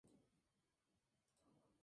Habita en Asia.